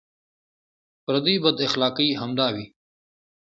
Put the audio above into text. پردۍ بداخلاقۍ همدا وې.